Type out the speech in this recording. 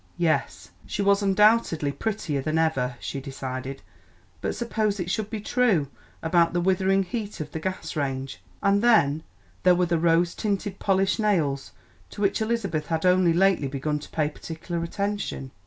Yes, she was undoubtedly prettier than ever, she decided, but suppose it should be true about the withering heat of the gas range; and then there were the rose tinted, polished nails, to which Elizabeth had only lately begun to pay particular attention.